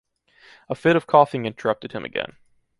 A fit of coughing interrupted him again.